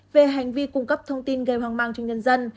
về hành vi cung cấp thông tin gây hoang mang cho nhân dân